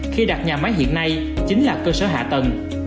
khi đặt nhà máy hiện nay chính là cơ sở hạ tầng